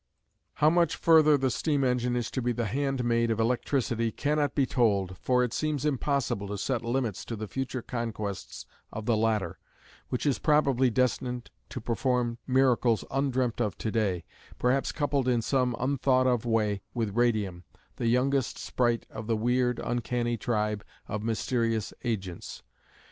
How much further the steam engine is to be the hand maid of electricity cannot be told, for it seems impossible to set limits to the future conquests of the latter, which is probably destined to perform miracles un dreamt of to day, perhaps coupled in some unthought of way, with radium, the youngest sprite of the weird, uncanny tribe of mysterious agents.